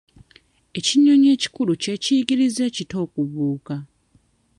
Ekinyonyi ekikulu kye kiyigiriza ekito okubuuka.